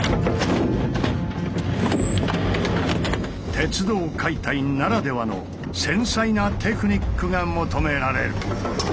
鉄道解体ならではの繊細なテクニックが求められる。